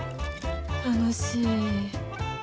楽しい。